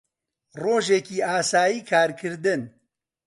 ڕۆژێکی ئاسایی کارکردن